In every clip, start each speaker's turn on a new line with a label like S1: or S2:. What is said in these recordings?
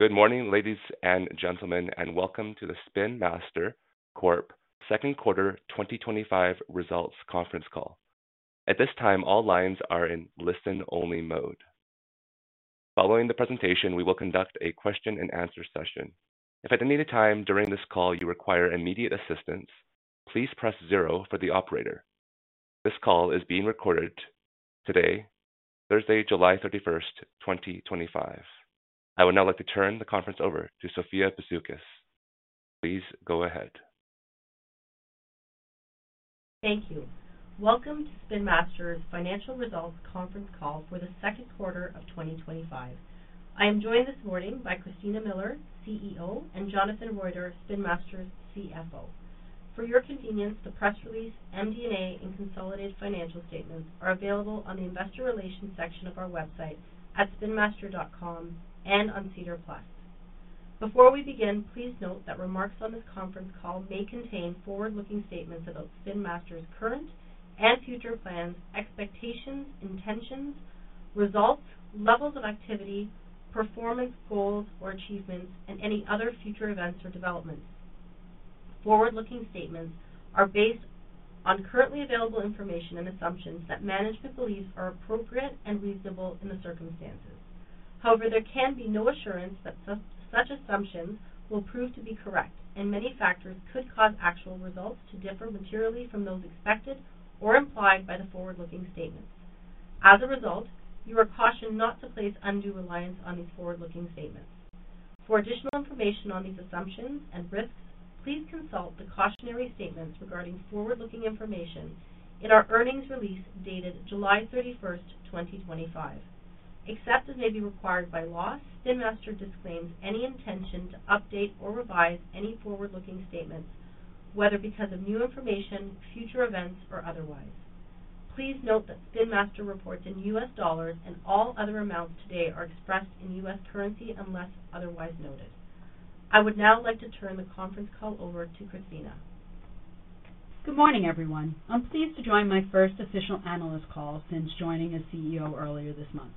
S1: Good morning, ladies and gentlemen, and welcome to the Spin Master Corp. Second Quarter 2025 Results Conference Call. At this time, all lines are in listen-only mode. Following the presentation, we will conduct a question-and-answer session. If at any time during this call you require immediate assistance, please press zero for the operator. This call is being recorded today, Thursday, July 31, 2025. I would now like to turn the conference over to Sophia Bisoukis. Please go ahead.
S2: Thank you. Welcome to Spin Master's Financial Results Conference Call for the second quarter of 2025. I am joined this morning by Christina Miller, CEO, and Jonathan Roiter, Spin Master's CFO. For your convenience, the press release, MD&A, and consolidated financial statements are available on the Investor Relations section of our website at spinmaster.com and on SEDAR+. Before we begin, please note that remarks on this conference call may contain forward-looking statements about Spin Master Corp.'s current and future plans, expectations, intentions, results, levels of activity, performance goals or achievements, and any other future events or developments. Forward-looking statements are based on currently available information and assumptions that management believes are appropriate and reasonable in the circumstances. However, there can be no assurance that such assumptions will prove to be correct, and many factors could cause actual results to differ materially from those expected or implied by the forward-looking statements. As a result, you are cautioned not to place undue reliance on these forward-looking statements. For additional information on these assumptions and risks, please consult the cautionary statements regarding forward-looking information in our earnings release dated July 31st, 2025. Except as may be required by law, Spin Master disclaims any intention to update or revise any forward-looking statements, whether because of new information, future events, or otherwise. Please note that Spin Master reports in U.S. dollars and all other amounts today are expressed in U.S. currency unless otherwise noted. I would now like to turn the conference call over to Christina.
S3: Good morning, everyone. I'm pleased to join my first official analyst call since joining as CEO earlier this month.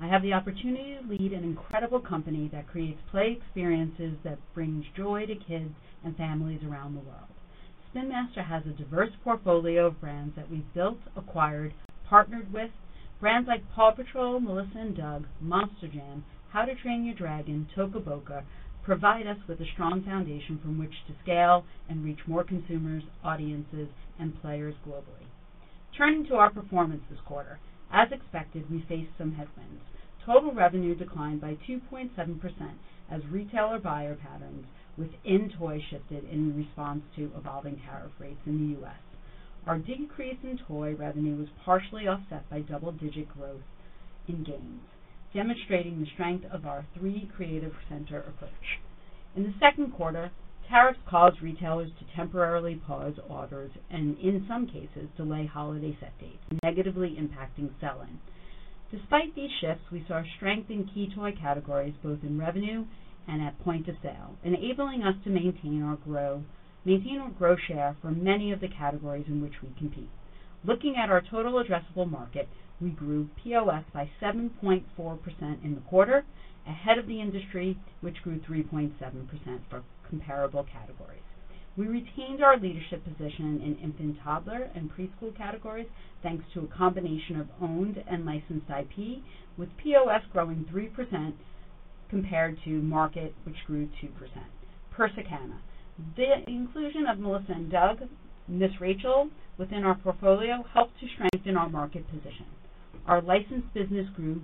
S3: I have the opportunity to lead an incredible company that creates play experiences that bring joy to kids and families around the world. Spin Master has a diverse portfolio of brands that we've built, acquired, and partnered with. Brands like PAW Patrol, Melissa & Doug, Monster Jam, How to Train Your Dragon, and Toca Boca provide us with a strong foundation from which to scale and reach more consumers, audiences, and players globally. Turning to our performance this quarter, as expected, we faced some headwinds. Total revenue declined by 2.7% as retailer purchasing patterns within toys shifted in response to evolving tariff rates in the U.S. Our decrease in toy revenue was partially offset by double-digit growth in games, demonstrating the strength of our three creative center approach. In the second quarter, tariffs caused retailers to temporarily pause orders and, in some cases, delay holiday set dates, negatively impacting selling. Despite these shifts, we saw strength in key toy categories both in revenue and at point-of-sale, enabling us to maintain our growth share for many of the categories in which we compete. Looking at our total addressable market, we grew POS by 7.4% in the quarter, ahead of the industry, which grew 3.7% for comparable categories. We retained our leadership position in infant/toddler and preschool categories, thanks to a combination of owned and licensed IP, with POS growing 3% compared to market, which grew 2%. Per Circana, the inclusion of Melissa & Doug within our portfolio helped to strengthen our market position. Our licensed business grew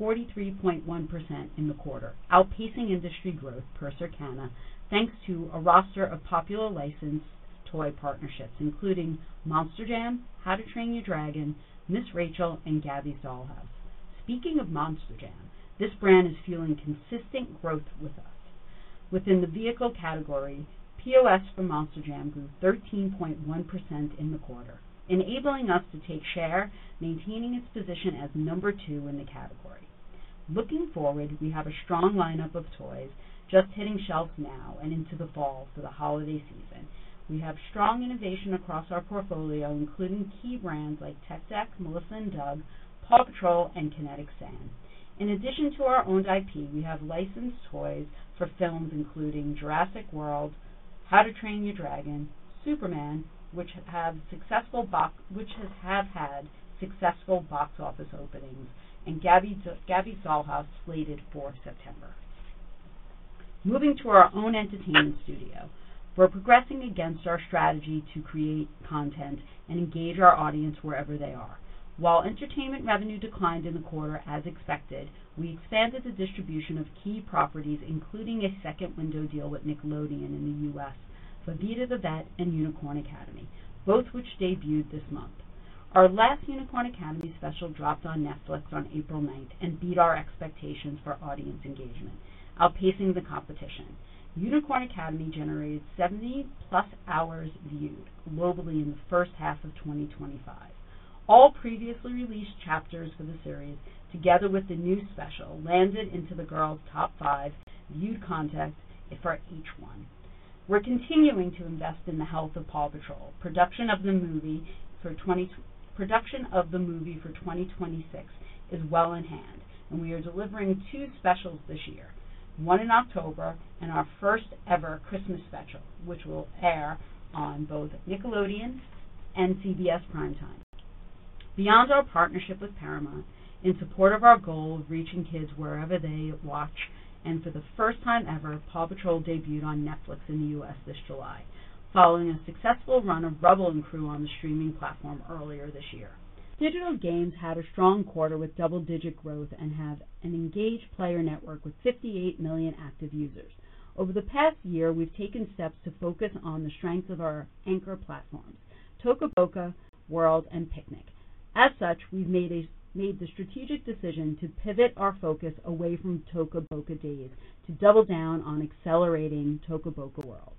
S3: 43.1% in the quarter, outpacing industry growth per Circana, thanks to a roster of popular licensed toy partnerships, including Monster Jam, How to Train Your Dragon, and Gabby’s Dollhouse. Speaking of Monster Jam, this brand is fueling consistent growth with us. Within the vehicle category, POS for Monster Jam grew 13.1% in the quarter, enabling us to take share, maintaining its position as number two in the category. Looking forward, we have a strong lineup of toys just hitting shelves now and into the fall for the holiday season. We have strong innovation across our portfolio, including key brands like Tech Deck, Melissa & Doug, PAW Patrol, and Kinetic Sand. In addition to our owned IP, we have licensed toys for films, including Jurassic World, How to Train Your Dragon, Superman, which have had successful box office openings, and Gabby’s Dollhouse slated for September. Moving to our own entertainment studio, we're progressing against our strategy to create content and engage our audience wherever they are. While entertainment revenue declined in the quarter, as expected, we expanded the distribution of key properties, including a second window deal with Nickelodeon in the U.S. for Vida the Vet and Unicorn Academy, both of which debuted this month. Our last Unicorn Academy special dropped on Netflix on April 9th and beat our expectations for audience engagement, outpacing the competition. Unicorn Academy generated 70+ hours viewed globally in the first half of 2025. All previously released chapters for the series, together with the new special, landed into the girls' top five viewed content for each one. We're continuing to invest in the health of PAW Patrol. Production of the movie for 2026 is well in hand, and we are delivering two specials this year, one in October and our first ever Christmas special, which will air on both Nickelodeon and CBS Primetime. Beyond our partnership with Paramount, in support of our goal of reaching kids wherever they watch, and for the first time ever, PAW Patrol debuted on Netflix in the U.S. this July, following a successful run of Rubble & Crew on the streaming platform earlier this year. Digital games had a strong quarter with double-digit growth and had an engaged player network with 58 million active users. Over the past year, we've taken steps to focus on the strengths of our anchor platforms, Toca Boca World and Piknik. As such, we've made the strategic decision to pivot our focus away from Toca Boca Days to double down on accelerating Toca Boca World.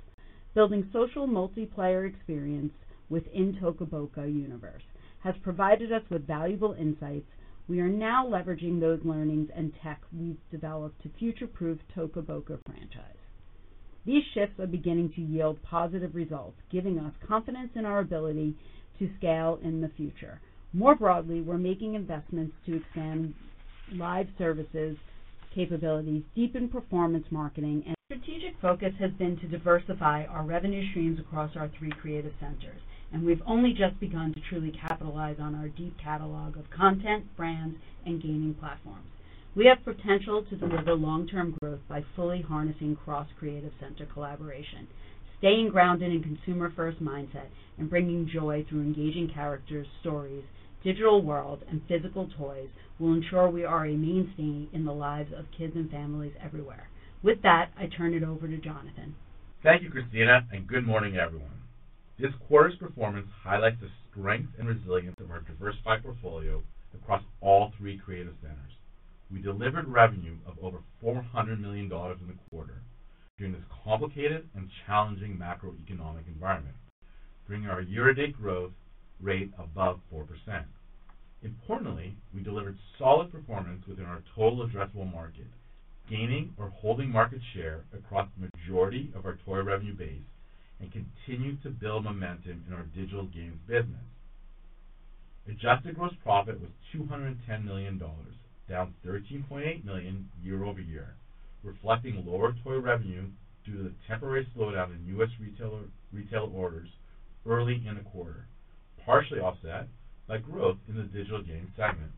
S3: Building social multiplayer experience within Toca Boca universe has provided us with valuable insights. We are now leveraging those learnings and tech we've developed to future-proof Toca Boca franchise. These shifts are beginning to yield positive results, giving us confidence in our ability to scale in the future. More broadly, we're making investments to expand live services capabilities, deepen performance marketing, and strategic focus has been to diversify our revenue streams across our three creative centers. We have only just begun to truly capitalize on our deep catalog of content, brands, and gaming platforms. We have potential to deliver long-term growth by fully harnessing cross-creative center collaboration. Staying grounded in a consumer-first mindset and bringing joy through engaging characters, stories, digital worlds, and physical toys will ensure we are a mainstay in the lives of kids and families everywhere. With that, I turn it over to Jonathan.
S4: Thank you, Christina, and good morning, everyone. This quarter's performance highlights the strength and resilience of our diversified portfolio across all three creative centers. We delivered revenue of over $400 million in the quarter during this complicated and challenging macro-economic environment, bringing our year-to-date growth rate above 4%. Importantly, we delivered solid performance within our total addressable market, gaining or holding market share across the majority of our toy revenue base, and continue to build momentum in our digital games business. Adjusted gross profit was $210 million, down $13.8 million year-over-year, reflecting lower toy revenue due to the temporary slowdown in U.S. retail orders early in the quarter, partially offset by growth in the digital games segment.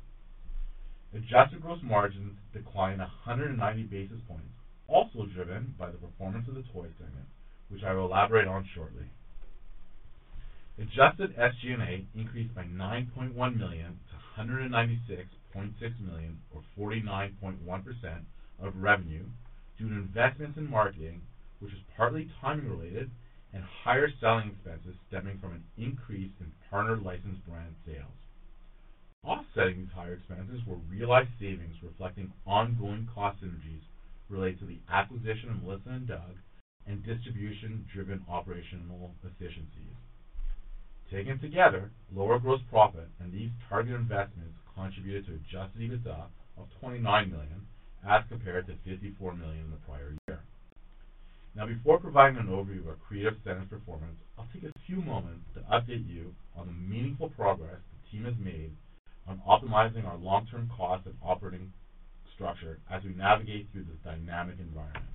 S4: Adjusted gross margins declined 190 basis points, also driven by the performance of the toy segment, which I will elaborate on shortly. Adjusted SG&A increased by $9.1 million to $196.6 million, or 49.1% of revenue, due to investments in marketing, which is partly time-related, and higher selling expenses stemming from an increase in partner license brand sales. On a segment, higher expenses were realized savings, reflecting ongoing cost synergies related to the acquisition of Melissa & Doug and distribution-driven operational efficiencies. Taken together, lower gross profit and these targeted investments contributed to Adjusted EBITDA of $29 million as compared to $54 million in the prior year. Now, before providing an overview of our creative center's performance, I'll take a few moments to update you on the meaningful progress the team has made on optimizing our long-term cost of operating structure as we navigate through this dynamic environment.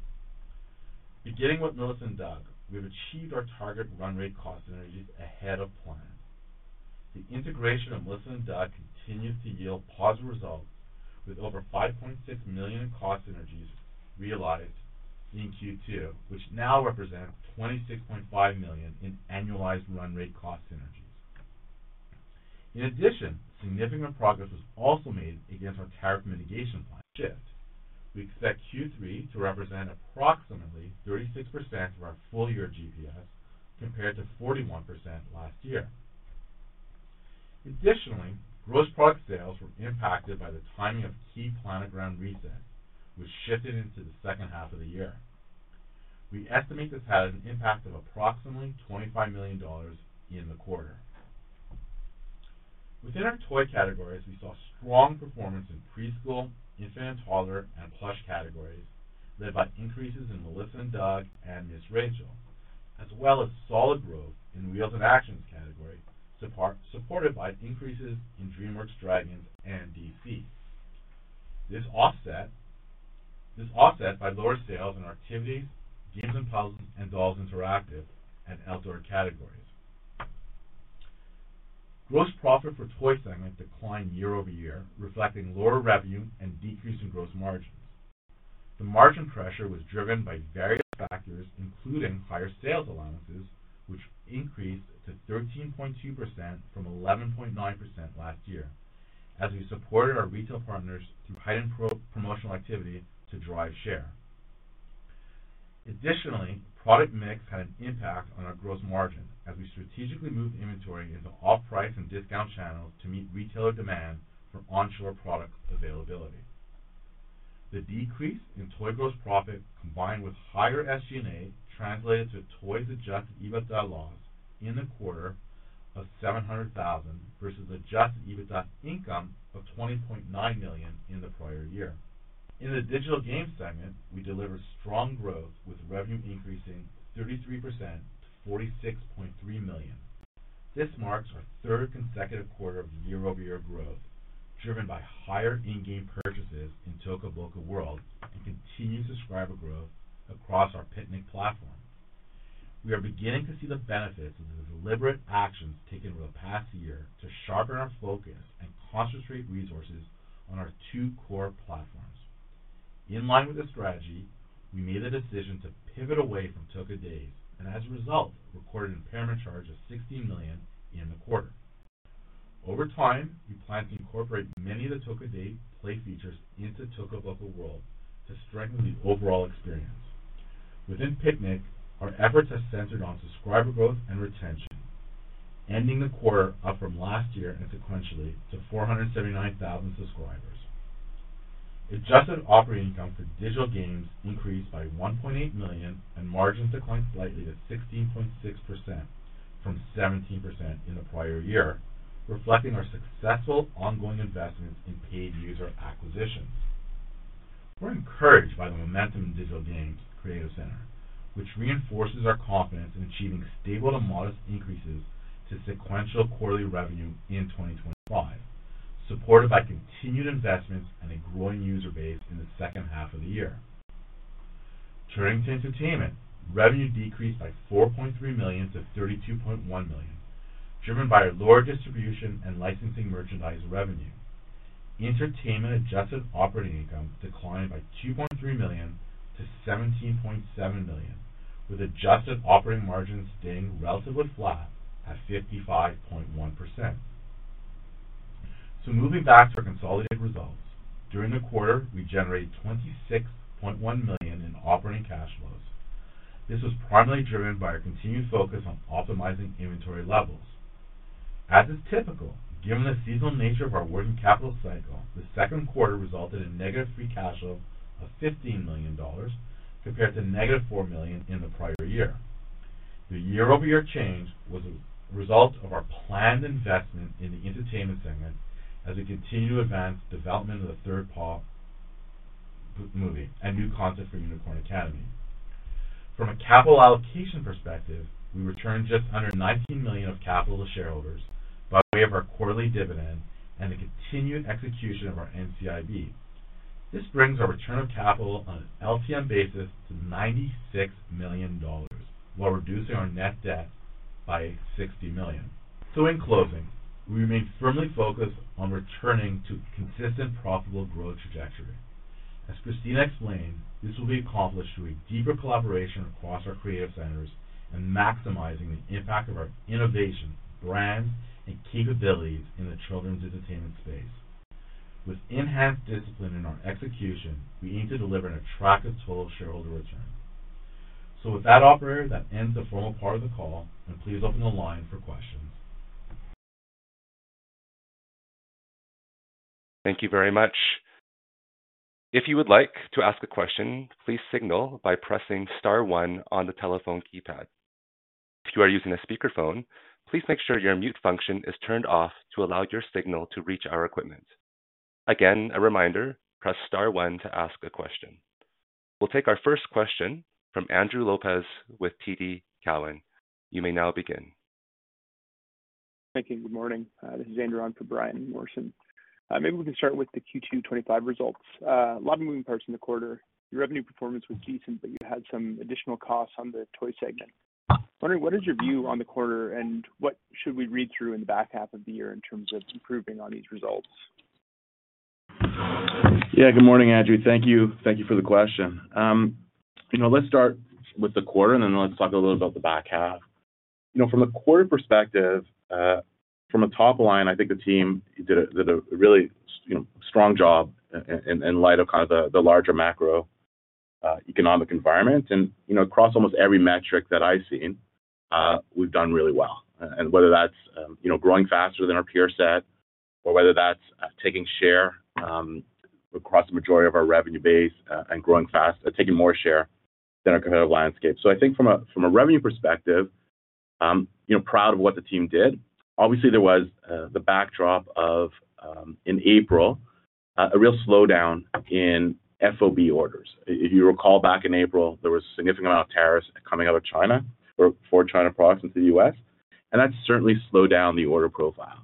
S4: Beginning with Melissa & Doug, we have achieved our target run rate cost synergies ahead of plan. The integration of Melissa & Doug continues to yield positive results, with over $5.6 million in cost synergies realized in Q2, which now represents $26.5 million in annualized run rate cost synergies. In addition, significant progress was also made against our tariff mitigation plan. We expect Q3 to represent approximately 36% of our full year GPS, compared to 41% last year. Additionally, gross product sales were impacted by the timing of key planned grand resale, which shifted into the second half of the year. We estimate this had an impact of approximately $25 million in the quarter. Within our toy categories, we saw strong performance in preschool, infant and toddler, and plush categories, led by increases in Melissa & Doug and Ms. Rachel, as well as solid growth in wheels and actions categories, supported by increases in DreamWork's Dragons and DC. This was offset by lower sales in our activities, Games and Puzzles, and Dolls Interactive and outdoor categories. Gross profit for Toy segments declined year-over-year, reflecting lower revenue and a decrease in gross margins. The margin pressure was driven by various factors, including higher sales allowances, which increased to 13.2% from 11.9% last year, as we supported our retail partners through heightened promotional activity to drive share. Additionally, product mix had an impact on our gross margin, as we strategically moved inventory into off-price and discount channels to meet retailer demand for onshore product availability. The decrease in Toy gross profit, combined with higher SG&A, translated to toys' Adjusted EBITDA loss in the quarter of $700,000 versus Adjusted EBITDA income of $20.9 million in the prior year. In the Digital Games segment, we delivered strong growth, with revenue increasing 33% to $46.3 million. This marks our third consecutive quarter of year-over-year growth, driven by higher in-game purchases in Toca Boca World and continued subscriber growth across our Piknik platform. We are beginning to see the benefits of the deliberate actions taken over the past year to sharpen our focus and concentrate resources on our two core platforms. In line with this strategy, we made the decision to pivot away from Toca Days, and as a result, recorded an impairment charge of $16 million in the quarter. Over time, we plan to incorporate many of the Toca Days play features into Toca Boca World to strengthen the overall experience. Within Piknik, our efforts are centered on subscriber growth and retention, ending the quarter up from last year and sequentially to 479,000 subscribers. Adjusted operating out of the digital games increased by $1.8 million, and margins declined slightly to 16.6% from 17% in the prior year, reflecting our successful ongoing investments in paid user acquisitions. We're encouraged by the momentum in digital games creative center, which reinforces our confidence in achieving stable to modest increases to sequential quarterly revenue in 2025, supported by continued investments and a growing user base in the second half of the year. Turning to Entertainment, revenue decreased by $4.3 million to $32.1 million, driven by lower distribution and licensing merchandise revenue. Entertainment adjusted operating income declined by $2.3 million to $17.7 million, with adjusted operating margins staying relatively flat at 55.1%. Moving back to consolidated results, during the quarter, we generated $26.1 million in operating cash flows. This was primarily driven by our continued focus on optimizing inventory levels. As is typical, given the seasonal nature of our awarding capital cycle, the second quarter resulted in a negative free cash flow of $15 million compared to -$4 million in the prior year. The year-over-year change was a result of our planned investment in the entertainment segment as we continue to advance the development of the third PAW Patrol movie and new content for Unicorn Academy. From a capital allocation perspective, we returned just under $19 million of capital to shareholders by way of our quarterly dividend and the continued execution of our NCIB. This brings our return of capital on an LTM basis to $96 million while reducing our net debt by $60 million. In closing, we remain firmly focused on returning to a consistent profitable growth trajectory. As Christina Miller explained, this will be accomplished through a deeper collaboration across our creative centers and maximizing the impact of our innovation, brands, and capabilities in the children's entertainment space. With inherent discipline in our execution, we aim to deliver an attractive total shareholder return. With that, operators, I end the formal part of the call, and please open the line for questions.
S1: Thank you very much. If you would like to ask a question, please signal by pressing star one on the telephone keypad. If you are using a speakerphone, please make sure your mute function is turned off to allow your signal to reach our equipment. Again, a reminder, press star one to ask a question. We'll take our first question from Andrew Lopez with TD Cowen. You may now begin.
S5: Thank you. Good morning. This is Andrew on for Brian Morrison. Maybe we can start with the Q2 2025 results. A lot of moving parts in the quarter. Your revenue performance was decent, but you had some additional costs on the toy segment. I'm wondering what is your view on the quarter and what should we read through in the back half of the year in terms of improving on these results?
S4: Good morning, Andrew. Thank you. Thank you for the question. Let's start with the quarter and then talk a little bit about the back half. From the quarter perspective, from a top line, I think the team did a really strong job in light of the larger macro-economic environment. Across almost every metric that I've seen, we've done really well, whether that's growing faster than our peer set or taking share across the majority of our revenue base and growing fast, taking more share than our competitive landscape. I think from a revenue perspective, I'm proud of what the team did. Obviously, there was the backdrop of, in April, a real slowdown in FOB orders. If you recall back in April, there was a significant amount of tariffs coming out of China for China products into the U.S., and that certainly slowed down the order profile.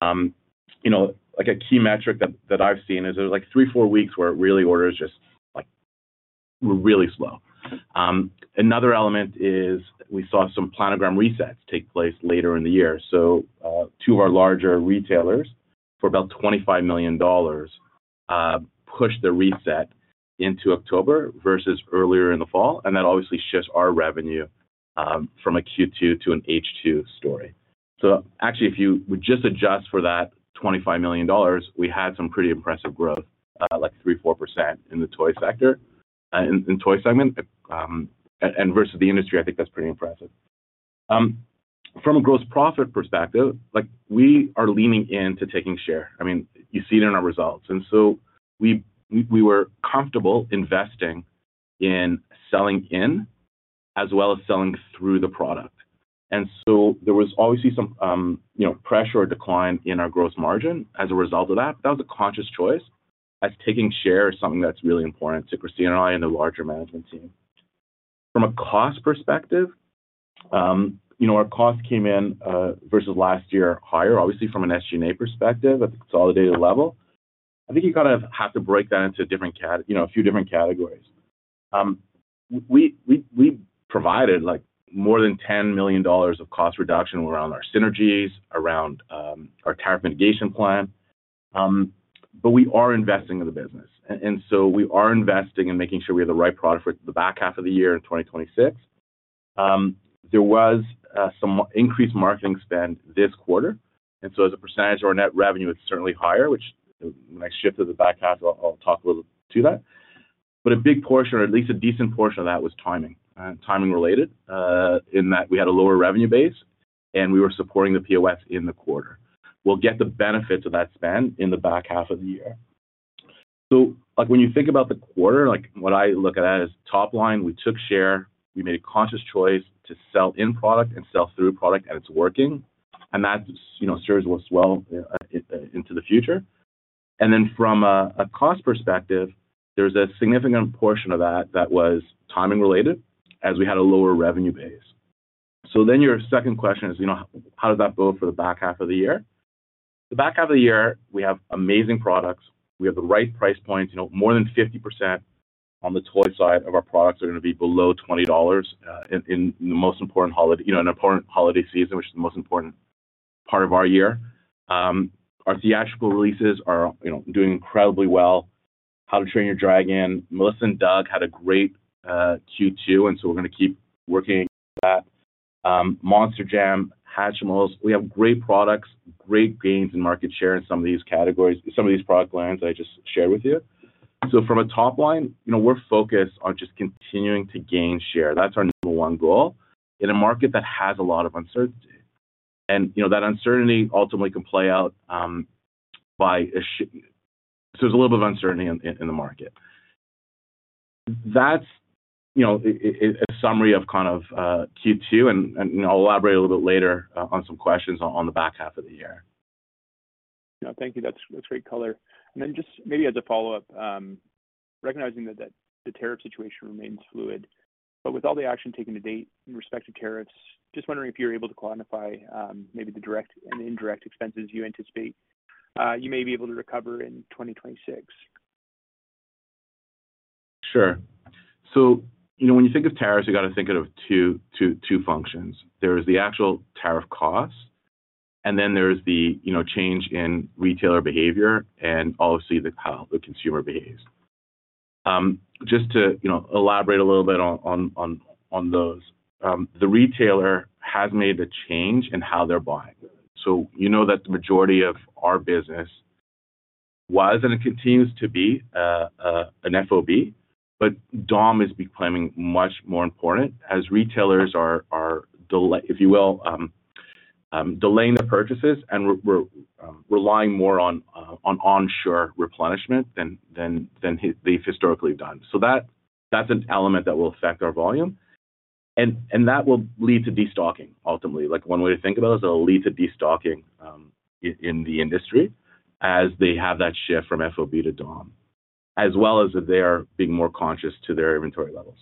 S4: A key metric that I've seen is there's three or four weeks where orders just were really slow. Another element is we saw some planogram resets take place later in the year. Two of our larger retailers, for about $25 million, pushed the reset into October versus earlier in the fall, and that obviously shifts our revenue from a Q2 to an H2 story. If you would just adjust for that $25 million, we had some pretty impressive growth, like 3%, 4% in the toy sector and toy segment, and versus the industry, I think that's pretty impressive. From a gross profit perspective, we are leaning into taking share. You see it in our results, so we were comfortable investing in selling in as well as selling through the product. There was some pressure or decline in our gross margin as a result of that. That was a conscious choice, as taking share is something that's really important to Christina and I and the larger management team. From a cost perspective, our cost came in versus last year higher, obviously from an SG&A perspective at the consolidated level. I think you have to break that into a few different categories. We provided more than $10 million of cost reduction around our synergies, around our tariff mitigation plan, but we are investing in the business. We are investing in making sure we have the right product for the back half of the year in 2026. There was some increased marketing spend this quarter. As a percentage of our net revenue, it's certainly higher, which, when I shift to the back half, I'll talk a little to that. A big portion, or at least a decent portion of that, was timing, timing related in that we had a lower revenue base and we were supporting the POS in the quarter. We'll get the benefits of that spend in the back half of the year. When you think about the quarter, what I look at as top line, we took share, we made a conscious choice to sell in product and sell through product, and it's working. That serves us well into the future. From a cost perspective, there's a significant portion of that that was timing related as we had a lower revenue base. Your second question is, you know, how does that go for the back half of the year? The back half of the year, we have amazing products. We have the right price points. More than 50% on the toy side of our products are going to be below $20 in the most important holiday, an important holiday season, which is the most important part of our year. Our theatrical releases are doing incredibly well. How to Train Your Dragon, Melissa & Doug had a great Q2. We're going to keep working that. Monster Jam, Hatchimals, we have great products, great gains in market share in some of these categories, some of these product lines I just shared with you. From a top line, we're focused on just continuing to gain share. That's our number one goal in a market that has a lot of uncertainty. That uncertainty ultimately can play out by, so there's a little bit of uncertainty in the market. That's a summary of kind of Q2. I'll elaborate a little bit later on some questions on the back half of the year.
S5: Thank you. That's great color. Maybe as a follow-up, recognizing that the tariff situation remains fluid, with all the action taken to date in respect to tariffs, just wondering if you're able to quantify maybe the direct and indirect expenses you anticipate you may be able to recover in 2026.
S4: Sure. When you think of tariffs, you have to think of two functions. There is the actual tariff cost, and then there is the change in retailer behavior and obviously how the consumer behaves. Just to elaborate a little bit on those, the retailer has made a change in how they're buying. You know that the majority of our business was and continues to be on an FOB, but DOM is becoming much more important as retailers are, if you will, delaying their purchases and relying more on onshore replenishment than they've historically done. That is an element that will affect our volume, and that will lead to destocking ultimately. One way to think about it is it'll lead to destocking in the industry as they have that shift from FOB to DOM, as well as being more conscious of their inventory levels.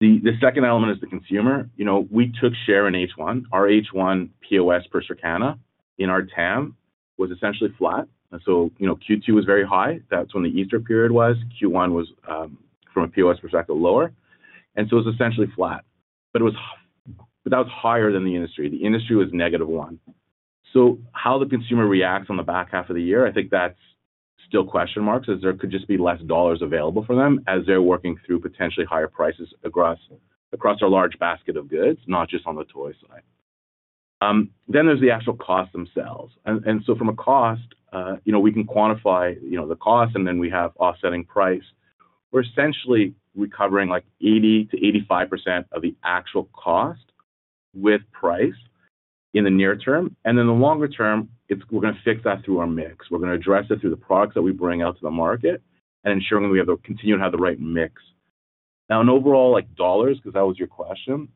S4: The second element is the consumer. We took share in H1. Our H1 POS per Circana in our TAM was essentially flat. Q2 was very high. That's when the Easter period was. Q1 was, from a POS perspective, lower. It was essentially flat, but that was higher than the industry. The industry was -1. How the consumer reacts on the back half of the year, I think that's still question marks as there could just be less dollars available for them as they're working through potentially higher prices across our large basket of goods, not just on the toy side. Then there's the actual cost themselves. From a cost, we can quantify the cost and then we have offsetting price. We're essentially recovering like 80%-85% of the actual cost with price in the near term. In the longer term, we're going to fix that through our mix. We're going to address it through the products that we bring out to the market and ensuring we continue to have the right mix. Now, in overall dollars, because that was your question,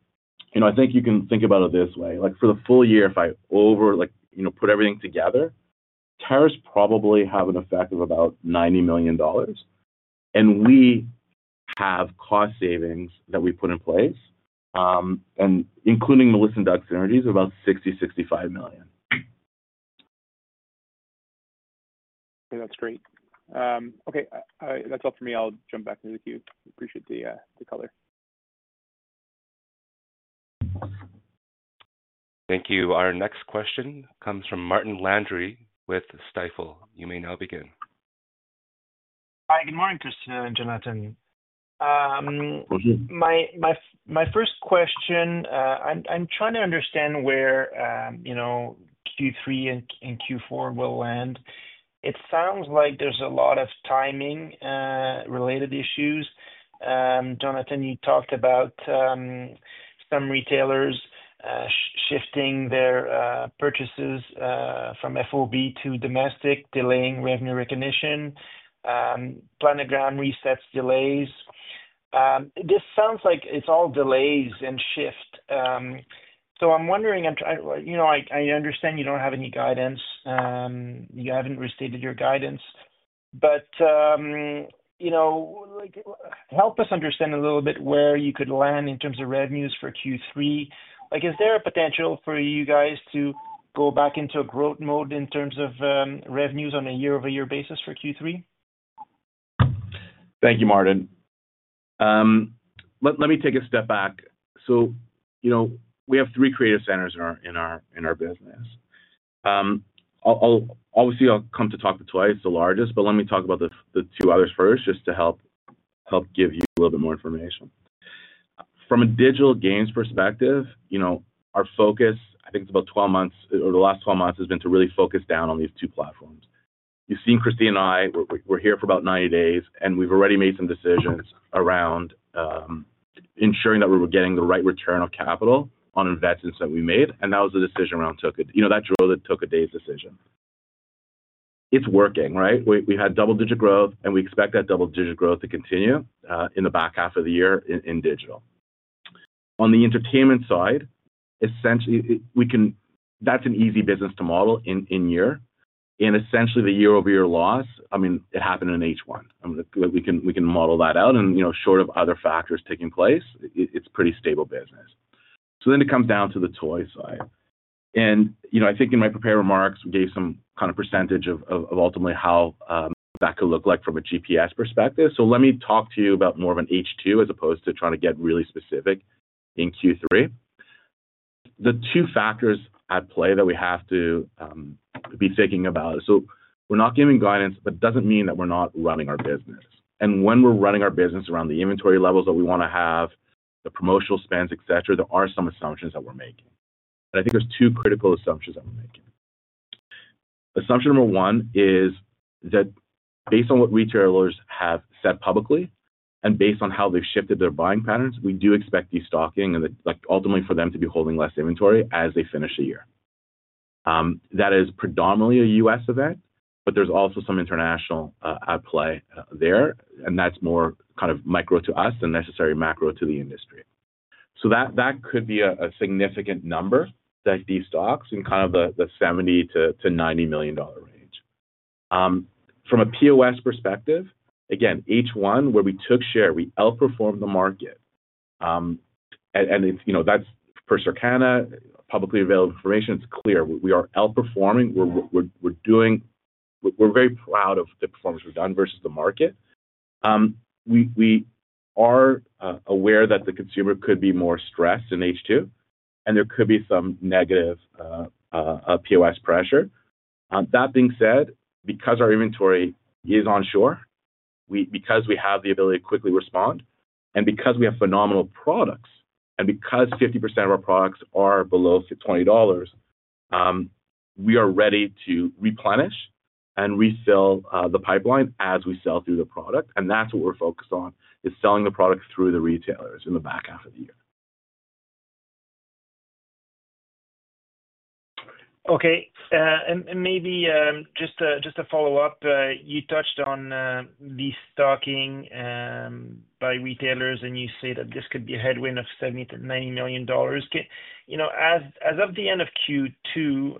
S4: I think you can think about it this way. For the full year, if I put everything together, tariffs probably have an effect of about $90 million. We have cost savings that we put in place, including Melissa & Doug synergies, about $60 million, $65 million.
S5: That's great. Okay, that's all for me. I'll jump back through the queues. Appreciate the color.
S1: Thank you. Our next question comes from Martin Landry with Stifel. You may now begin.
S6: Hi, good morning, Christina and Jonathan. My first question, I'm trying to understand where, you know, Q3 and Q4 will land. It sounds like there's a lot of timing related issues. Jonathan, you talked about some retailers shifting their purchases from FOB to domestic, delaying revenue recognition, planogram resets delays. This sounds like it's all delays and shifts. I'm wondering, you know, I understand you don't have any guidance. You haven't restated your guidance. Help us understand a little bit where you could land in terms of revenues for Q3. Like, is there a potential for you guys to go back into a growth mode in terms of revenues on a year-over-year basis for Q3?
S4: Thank you, Martin. Let me take a step back. We have three creative centers in our business. Obviously, I'll come to talk to toys, the largest, but let me talk about the two others first just to help give you a little bit more information. From a digital games perspective, our focus, I think it's about 12 months, or the last 12 months has been to really focus down on these two platforms. You've seen Christina and I, we're here for about 90 days, and we've already made some decisions around ensuring that we were getting the right return on capital on investments that we made. That was the decision around, you know, that drove it, Toca Days decision. It's working, right? We had double-digit growth, and we expect that double-digit growth to continue in the back half of the year in digital. On the entertainment side, essentially, that's an easy business to model in year. The year-over-year loss, I mean, it happened in H1. We can model that out. Short of other factors taking place, it's a pretty stable business. It comes down to the toy side. I think in my prepared remarks, we gave some kind of percentage of ultimately how that could look like from a GPS perspective. Let me talk to you about more of an H2 as opposed to trying to get really specific in Q3. The two factors at play that we have to be thinking about. We're not giving guidance, but it doesn't mean that we're not running our business. When we're running our business around the inventory levels that we want to have, the promotional spends, et cetera, there are some assumptions that we're making. I think there's two critical assumptions that we're making. Assumption number one is that based on what retailers have said publicly and based on how they've shifted their buying patterns, we do expect destocking and ultimately for them to be holding less inventory as they finish the year. That is predominantly a U.S. event, but there's also some international at play there. That's more kind of micro to us than necessary macro to the industry. That could be a significant number that de-stocks in kind of the $70 million-$90 million range. From a POS perspective, again, H1, where we took share, we outperformed the market. That's per Circana publicly available information. It's clear we are outperforming. We're very proud of the performance we've done versus the market. We are aware that the consumer could be more stressed in H2, and there could be some negative POS pressure. That being said, because our inventory is onshore, because we have the ability to quickly respond, and because we have phenomenal products, and because 50% of our products are below $20, we are ready to replenish and refill the pipeline as we sell through the product. That is what we're focused on, selling the product through the retailers in the back half of the year.
S6: Okay, maybe just to follow up, you touched on the destocking by retailers, and you say that this could be a headwind of $70 million-$90 million. As of the end of Q2,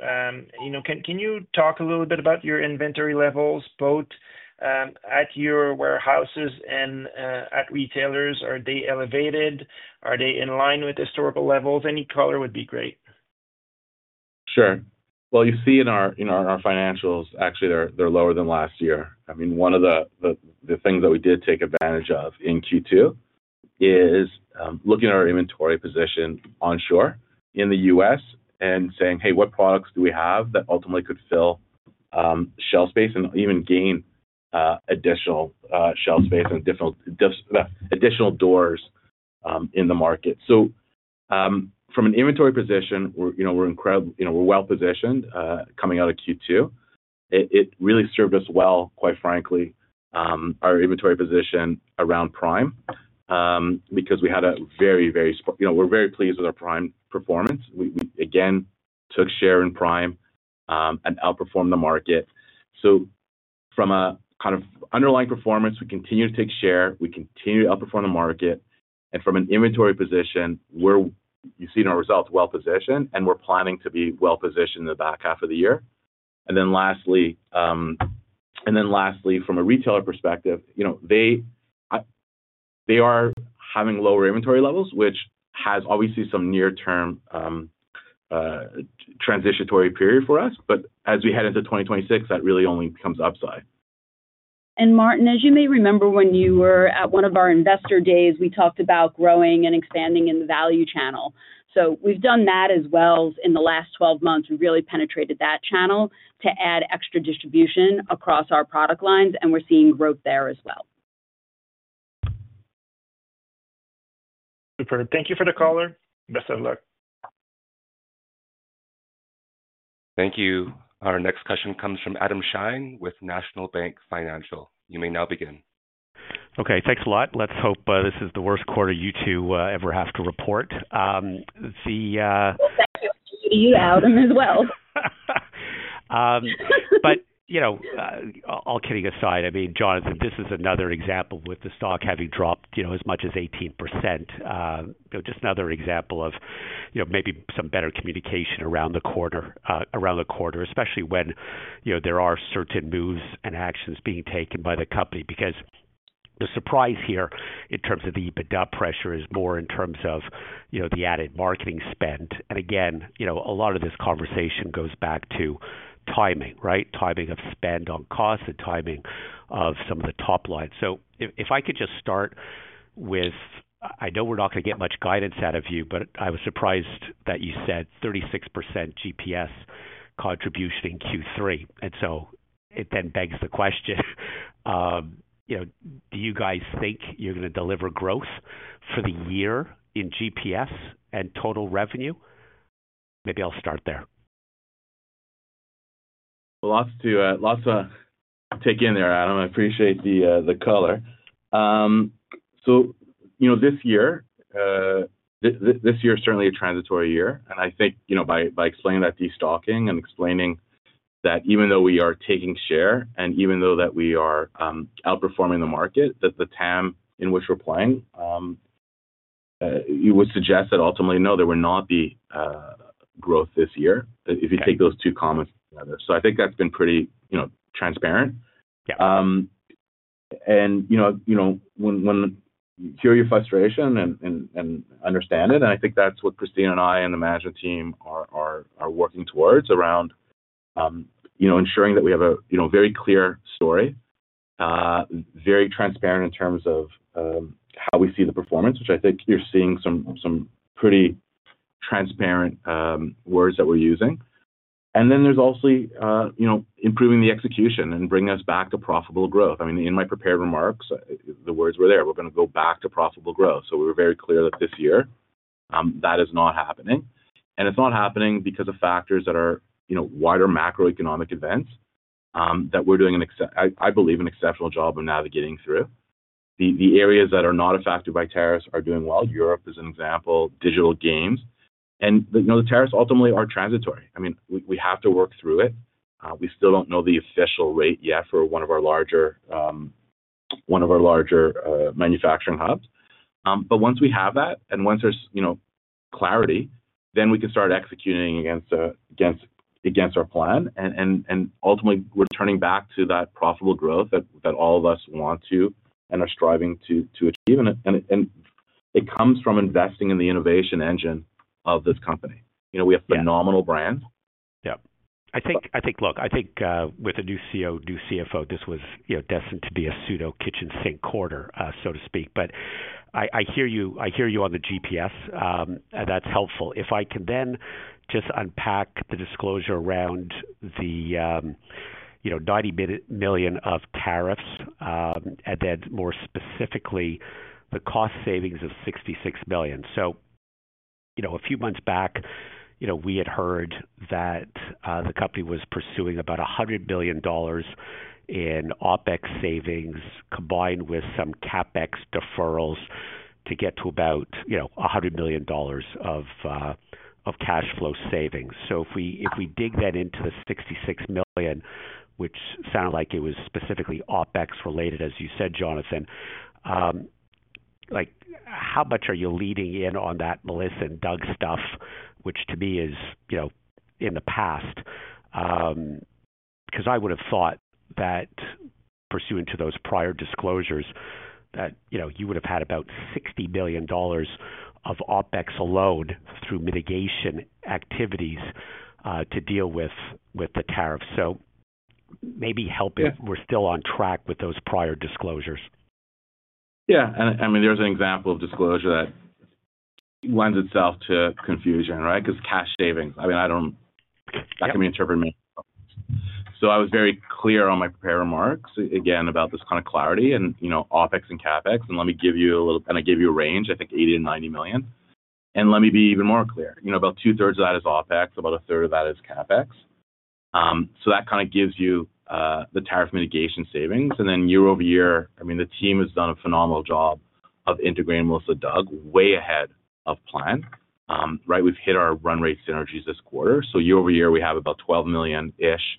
S6: can you talk a little bit about your inventory levels, both at your warehouses and at retailers? Are they elevated? Are they in line with historical levels? Any color would be great.
S4: Sure. You see in our financials, actually, they're lower than last year. One of the things that we did take advantage of in Q2 is looking at our inventory position onshore in the U.S. and saying, hey, what products do we have that ultimately could fill shelf space and even gain additional shelf space and additional doors in the market? From an inventory position, you know, we're incredibly, you know, we're well positioned coming out of Q2. It really served us well, quite frankly, our inventory position around Prime because we had a very, very, you know, we're very pleased with our Prime performance. We again took share in Prime and outperformed the market. From a kind of underlying performance, we continue to take share, we continue to outperform the market, and from an inventory position, you see in our results, we're well positioned, and we're planning to be well positioned in the back half of the year. Lastly, from a retailer perspective, you know, they are having lower inventory levels, which has obviously some near-term transitionary period for us, but as we head into 2026, that really only becomes upside.
S3: Martin, as you may remember, when you were at one of our Investor Days, we talked about growing and expanding in the value channel. We have done that as well. In the last 12 months, we have really penetrated that channel to add extra distribution across our product lines, and we are seeing growth there as well.
S6: Thank you for the call. Best of luck.
S1: Thank you. Our next question comes from Adam Shine with National Bank Financial. You may now begin.
S7: Okay, thanks a lot. Let's hope this is the worst quarter you two ever have to report.
S3: You, Adam, as well.
S7: All kidding aside, I mean, Jonathan, this is another example with the stock having dropped as much as 18%. Just another example of maybe some better communication around the quarter, especially when there are certain moves and actions being taken by the Company because the surprise here in terms of the EBITDA pressure is more in terms of the added marketing spend. Again, a lot of this conversation goes back to timing, right? Timing of spend on cost, the timing of some of the top lines. If I could just start with, I know we're not going to get much guidance out of you, but I was surprised that you said 36% GPS contribution in Q3. It then begs the question, do you guys think you're going to deliver growth for the year in GPS and total revenue? Maybe I'll start there.
S4: A lot to take in there, Adam. I appreciate the color. This year is certainly a transitory year. I think by explaining that destocking and explaining that even though we are taking share and even though we are outperforming the market, the TAM in which we're playing would suggest that ultimately, no, there would not be growth this year if you take those two comments together. I think that's been pretty transparent. I hear your frustration and understand it, and I think that's what Christina and I and the management team are working towards around ensuring that we have a very clear story, very transparent in terms of how we see the performance, which I think you're seeing some pretty transparent words that we're using. There is also improving the execution and bringing us back to profitable growth. In my prepared remarks, the words were there. We're going to go back to profitable growth. We were very clear that this year, that is not happening. It's not happening because of factors that are wider macro-economic events that we're doing, I believe, an exceptional job of navigating through. The areas that are not affected by tariffs are doing well. Europe is an example, digital games. The tariffs ultimately are transitory. We have to work through it. We still don't know the official rate yet for one of our larger manufacturing hubs. Once we have that and once there's clarity, then we can start executing against our plan. Ultimately, we're turning back to that profitable growth that all of us want to and are striving to achieve. It comes from investing in the innovation engine of this company. We have a phenomenal brand.
S7: I think, look, with a new CEO, new CFO, this was destined to be a pseudo kitchen sink quarter, so to speak. I hear you on the GPS. That's helpful. If I can then just unpack the disclosure around the $90 million of tariffs and then more specifically the cost savings of $66 million. A few months back, we had heard that the company was pursuing about $100 million in OpEx savings combined with some CapEx deferrals to get to about $100 million of cash flow savings. If we dig that into the $66 million, which sounded like it was specifically OpEx related, as you said, Jonathan, how much are you leaning in on that Melissa & Doug stuff, which to me is in the past, because I would have thought that pursuant to those prior disclosures that you would have had about $60 million of OpEx alone through mitigation activities to deal with the tariffs. Maybe help if we're still on track with those prior disclosures.
S4: Yeah, and I mean, there's an example of disclosure that lends itself to confusion, right? Because cash savings, I mean, I don't, that can be interpreted many ways. I was very clear on my prepared remarks again about this kind of clarity and, you know, OpEx and CapEx. Let me give you a little, and I gave you a range, I think $80 million, $90 million. Let me be even more clear, you know, about 2/3 of that is OpEx, about 1/3 of that is CapEx. That kind of gives you the tariff mitigation savings. year-over-year, the team has done a phenomenal job of integrating Melissa & Doug way ahead of plan, right? We've hit our run rate synergies this quarter. year-over-year, we have about $12 million-ish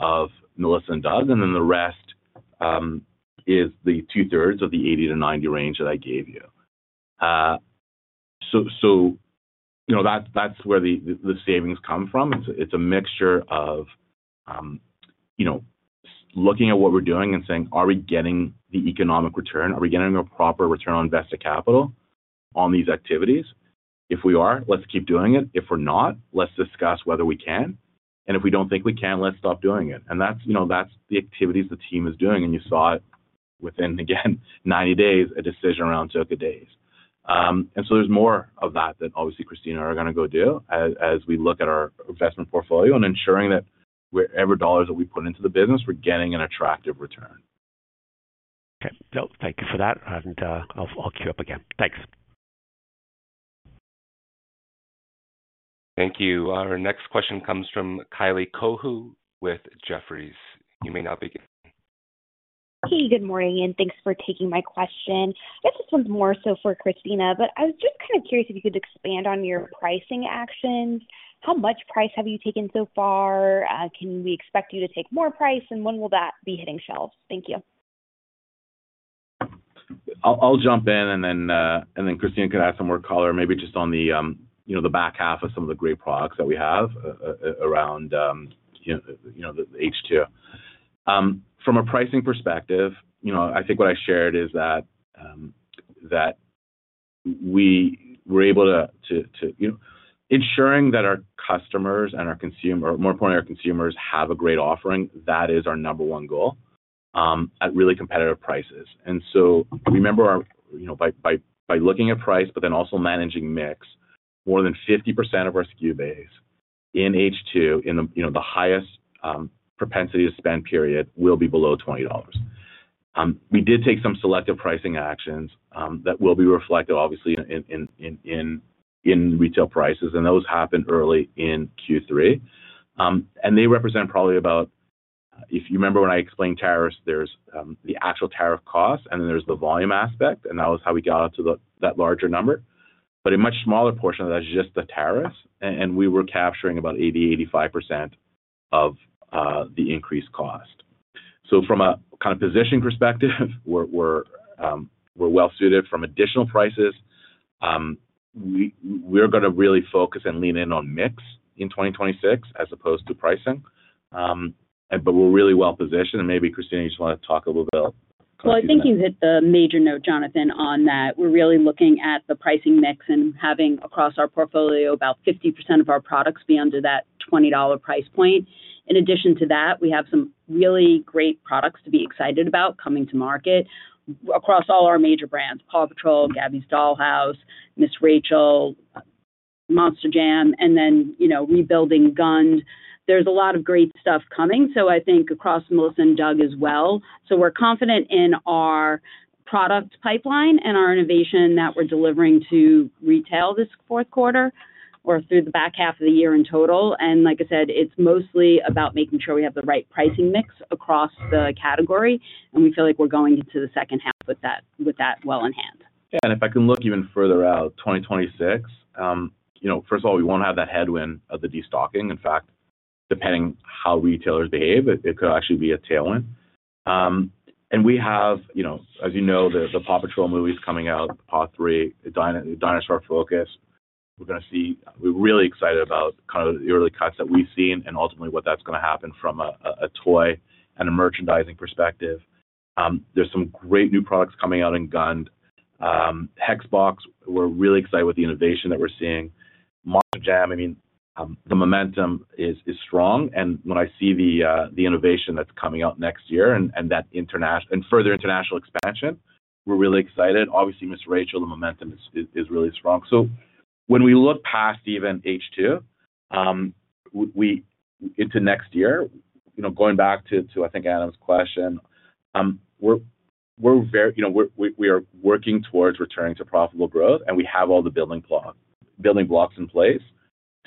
S4: of Melissa & Doug. The rest is the 2/3 of the $80 million-$90 million range that I gave you. That's where the savings come from. It's a mixture of looking at what we're doing and saying, are we getting the economic return? Are we getting a proper return on invested capital on these activities? If we are, let's keep doing it. If we're not, let's discuss whether we can. If we don't think we can, let's stop doing it. That's the activities the team is doing. You saw it within, again, 90 days, a decision around circuit days. There's more of that that obviously Christina and I are going to go do as we look at our investment portfolio and ensuring that whatever dollars that we put into the business, we're getting an attractive return.
S7: Thank you for that. I'll queue up again. Thanks.
S1: Thank you. Our next question comes from Kylie Cohu with Jefferies. You may now begin.
S8: Hey, good morning, and thanks for taking my question. I guess this one's more so for Christina, but I was just kind of curious if you could expand on your pricing actions. How much price have you taken so far? Can we expect you to take more price, and when will that be hitting shelves? Thank you.
S4: I'll jump in, and then Christina could add some more color, maybe just on the back half of some of the great products that we have around the H2. From a pricing perspective, I think what I shared is that we were able to ensure that our customers and our consumers, more importantly, our consumers have a great offering. That is our number one goal at really competitive prices. Remember, by looking at price, but then also managing mix, more than 50% of our SKU base in H2, in the highest propensity to spend period, will be below $20. We did take some selective pricing actions that will be reflective, obviously, in retail prices, and those happened early in Q3. They represent probably about, if you remember when I explained tariffs, there's the actual tariff cost, and then there's the volume aspect, and that was how we got up to that larger number. A much smaller portion of that is just the tariffs, and we were capturing about 80%, 85% of the increased cost. From a kind of position perspective, we're well suited from additional prices. We're going to really focus and lean in on mix in 2026 as opposed to pricing. We're really well positioned, and maybe Christina, you just want to talk a little bit about.
S3: I think you hit the major note, Jonathan, on that. We're really looking at the pricing mix and having across our portfolio about 50% of our products be under that $20 price point. In addition to that, we have some really great products to be excited about coming to market across all our major brands: PAW Patrol, Gabby’s Dollhouse, Ms. Rachel, Monster Jam, and then, you know, rebuilding Gund. There's a lot of great stuff coming. I think across Melissa & Doug as well. We're confident in our product pipeline and our innovation that we're delivering to retail this fourth quarter or through the back half of the year in total. Like I said, it's mostly about making sure we have the right pricing mix across the category, and we feel like we're going into the second half with that well in hand.
S4: Yeah, and if I can look even further out, 2026, first of all, we won't have that headwind of the destocking. In fact, depending on how retailers behave, it could actually be a tailwind. We have, as you know, the PAW Patrol movie's coming out, PAW 3, the dinosaur focus. We're really excited about kind of the early cuts that we've seen and ultimately what that's going to happen from a toy and a merchandising perspective. There's some great new products coming out in Gund. Hex Bots, we're really excited with the innovation that we're seeing. Monster Jam, the momentum is strong. When I see the innovation that's coming out next year and that international and further international expansion, we're really excited. Obviously, Ms. Rachel, the momentum is really strong. When we look past even H2, into next year, going back to, I think, Adam's question, we're very, we are working towards returning to profitable growth, and we have all the building blocks in place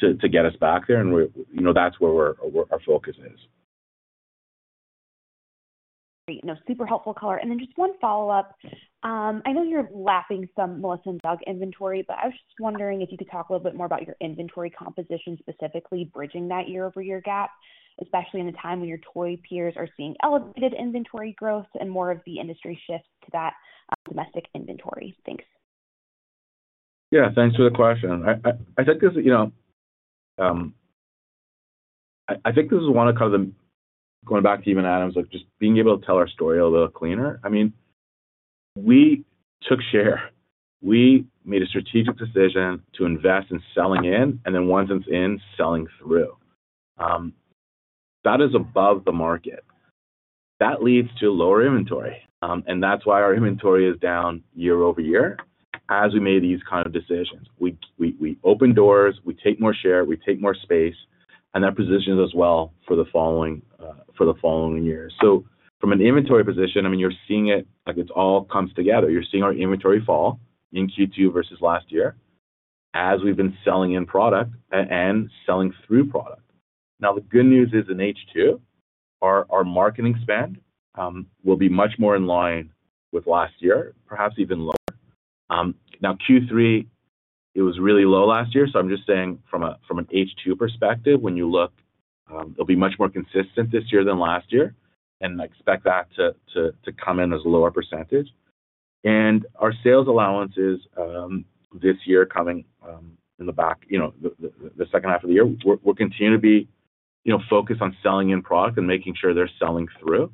S4: to get us back there. That's where our focus is.
S8: Great. No, super helpful. Just one follow-up. I know you're lapping some Melissa & Doug inventory, but I was just wondering if you could talk a little bit more about your inventory composition, specifically bridging that year-over-year gap, especially in a time when your toy peers are seeing elevated inventory growth and more of the industry shift to that domestic inventory. Thanks.
S4: Yeah, thanks for the question. I think this is one of kind of the, going back to even Adam's, like just being able to tell our story a little cleaner. I mean, we took share. We made a strategic decision to invest in selling in, and then once it's in, selling through. That is above the market. That leads to lower inventory. That's why our inventory is down year-over-year. As we made these kind of decisions, we open doors, we take more share, we take more space, and that positions us well for the following year. From an inventory position, you're seeing it like it all comes together. You're seeing our inventory fall in Q2 versus last year as we've been selling in product and selling through product. The good news is in H2, our marketing spend will be much more in line with last year, perhaps even lower. Q3, it was really low last year. I'm just saying from an H2 perspective, when you look, it'll be much more consistent this year than last year. I expect that to come in as a lower %. Our sales allowances this year coming in the back, the second half of the year, we're continuing to be focused on selling in product and making sure they're selling through.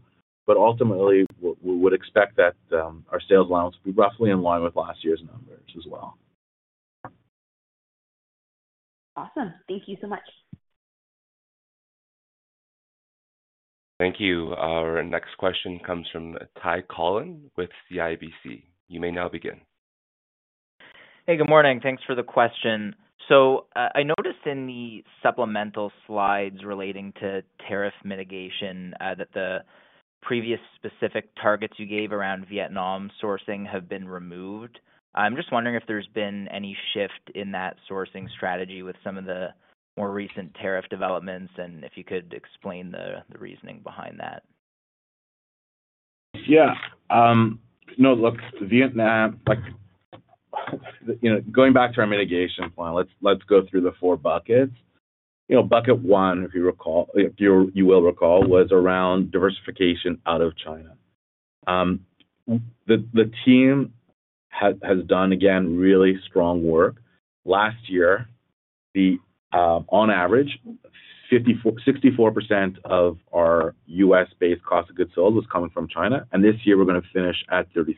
S4: Ultimately, we would expect that our sales allowance will be roughly in line with last year's numbers as well.
S8: Awesome. Thank you so much.
S1: Thank you. Our next question comes from Ty Collin with CIBC. You may now begin.
S9: Good morning. Thanks for the question. I noticed in the supplemental slides relating to tariff mitigation that the previous specific targets you gave around Vietnam sourcing have been removed. I'm just wondering if there's been any shift in that sourcing strategy with some of the more recent tariff developments and if you could explain the reasoning behind that.
S4: Yeah. No, look, Vietnam, like, you know, going back to our mitigation plan, let's go through the four buckets. Bucket one, if you recall, was around diversification out of China. The team has done again really strong work. Last year, on average, 64% of our U.S.-based cost of goods sold was coming from China, and this year we're going to finish at 37%.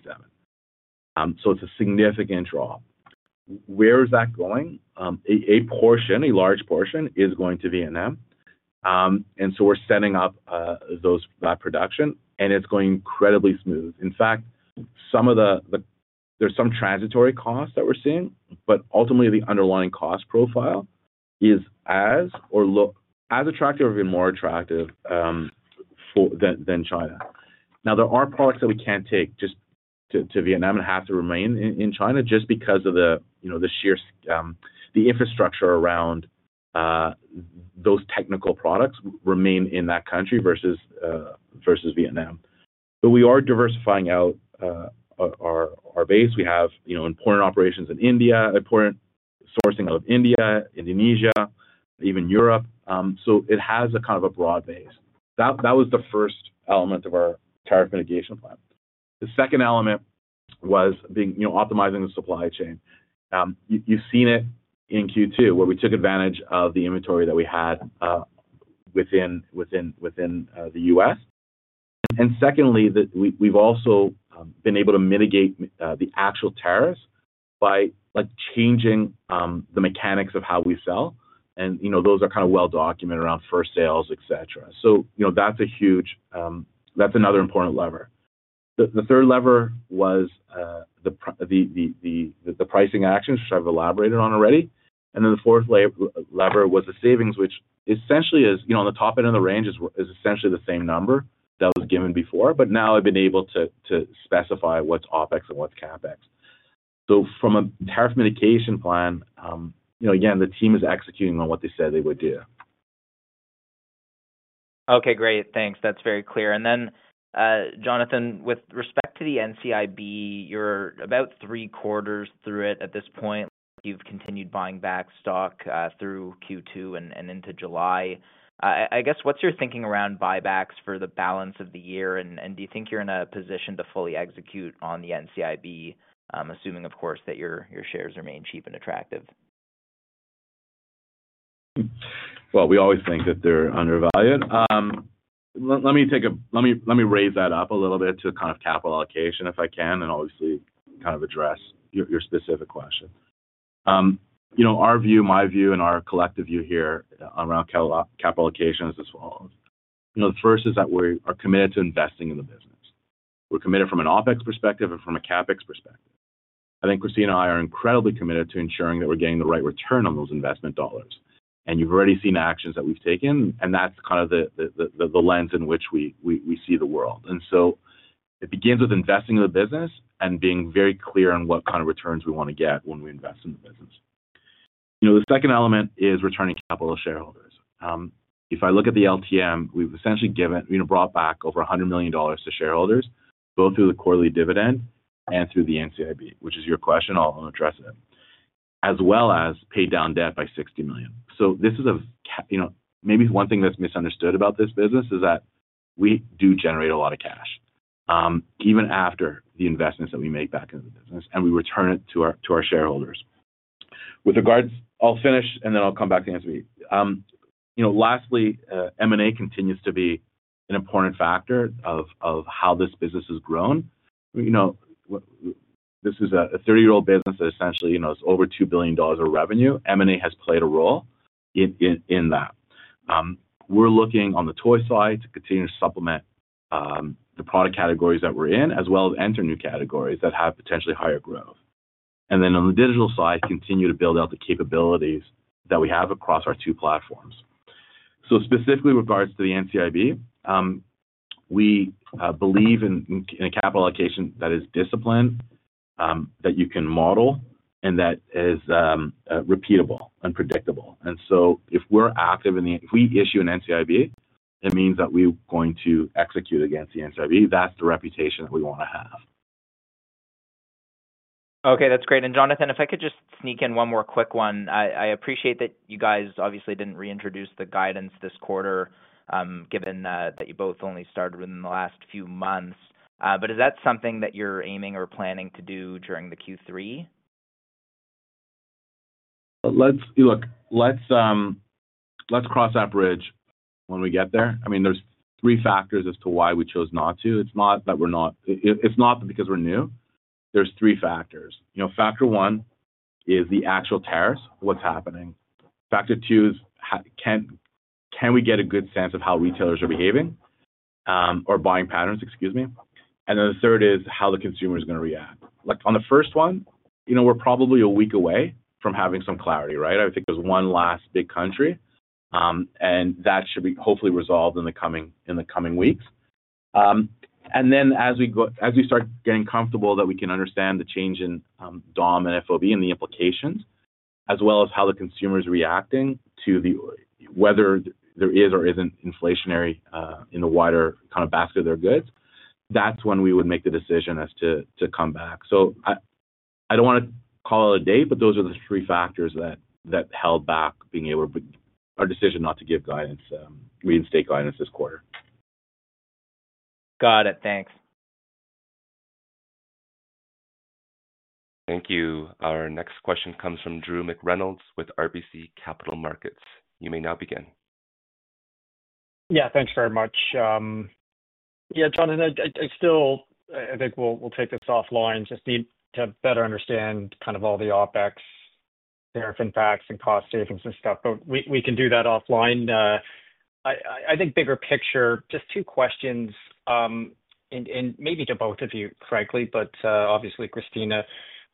S4: It's a significant draw. Where is that going? A portion, a large portion is going to Vietnam. We're setting up those by production, and it's going incredibly smooth. In fact, there's some transitory costs that we're seeing, but ultimately the underlying cost profile is as attractive or even more attractive than China. There are products that we can't take just to Vietnam and have to remain in China just because of the sheer, the infrastructure around those technical products remain in that country versus Vietnam. We are diversifying out our base. We have important operations in India, important sourcing out of India, Indonesia, even Europe. It has a kind of a broad base. That was the first element of our tariff mitigation plan. The second element was optimizing the supply chain. You've seen it in Q2 where we took advantage of the inventory that we had within the U.S. We've also been able to mitigate the actual tariffs by changing the mechanics of how we sell. Those are kind of well documented around first sales, etc. That's another important lever. The third lever was the pricing actions, which I've elaborated on already. The fourth lever was the savings, which essentially is, on the top end of the range, essentially the same number that was given before, but now I've been able to specify what's OpEx and what's CapEx. From a tariff mitigation plan, the team is executing on what they said they would do.
S9: Okay, great. Thanks. That's very clear. Jonathan, with respect to the NCIB, you're about three quarters through it at this point. You've continued buying back stock through Q2 and into July. What's your thinking around buybacks for the balance of the year? Do you think you're in a position to fully execute on the NCIB, assuming, of course, that your shares remain cheap and attractive?
S4: I always think that they're undervalued. Let me raise that up a little bit to kind of capital allocation if I can, and obviously kind of address your specific question. You know, our view, my view, and our collective view here around capital allocation is as follows. The first is that we are committed to investing in the business. We're committed from an OpEx perspective and from a CapEx perspective. I think Christina and I are incredibly committed to ensuring that we're getting the right return on those investment dollars. You've already seen the actions that we've taken, and that's kind of the lens in which we see the world. It begins with investing in the business and being very clear on what kind of returns we want to get when we invest in the business. The second element is returning capital to shareholders. If I look at the LTM, we've essentially given, you know, brought back over $100 million to shareholders, both through the quarterly dividend and through the NCIB, which is your question. I'll address it. As well as paid down debt by $60 million. Maybe one thing that's misunderstood about this business is that we do generate a lot of cash, even after the investments that we make back into the business, and we return it to our shareholders. With regards, I'll finish and then I'll come back to answer me. Lastly, M&A continues to be an important factor of how this business has grown. This is a 30-year-old business that essentially is over $2 billion of revenue. M&A has played a role in that. We're looking on the toy side to continue to supplement the product categories that we're in, as well as enter new categories that have potentially higher growth. On the digital side, continue to build out the capabilities that we have across our two platforms. Specifically in regards to the NCIB, we believe in a capital allocation that is disciplined, that you can model, and that is repeatable and predictable. If we issue an NCIB, it means that we're going to execute against the NCIB. That's the reputation that we want to have.
S9: Okay, that's great. Jonathan, if I could just sneak in one more quick one, I appreciate that you guys obviously didn't reintroduce the guidance this quarter, given that you both only started within the last few months. Is that something that you're aiming or planning to do during the Q3?
S4: Let's cross that bridge when we get there. There are three factors as to why we chose not to. It's not that we're not, it's not that because we're new. There are three factors. Factor one is the actual tariffs, what's happening. Factor two is, can we get a good sense of how retailers are behaving or buying patterns, excuse me. The third is how the consumer is going to react. On the first one, we're probably a week away from having some clarity, right? I think there's one last big country, and that should be hopefully resolved in the coming weeks. As we go, as we start getting comfortable that we can understand the change in DOM and FOB and the implications, as well as how the consumer is reacting to whether there is or isn't inflationary in the wider kind of basket of their goods, that's when we would make the decision as to come back. I don't want to call it a date, but those are the three factors that held back being able to make our decision not to give guidance, reinstate guidance this quarter.
S9: Got it. Thanks.
S1: Thank you. Our next question comes from Drew McReynolds with RBC Capital Markets. You may now begin.
S10: Yeah, thanks very much. Jonathan, I think we'll take this offline, just to better understand all the OpEx tariff impacts and cost savings and stuff. We can do that offline. I think bigger picture, just two questions, and maybe to both of you, frankly, but obviously Christina,